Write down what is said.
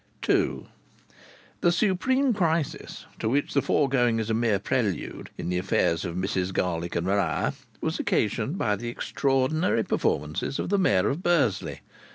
II The supreme crisis, to which the foregoing is a mere prelude, in the affairs of Mrs Garlick and Maria, was occasioned by the extraordinary performances of the Mayor of Bursley.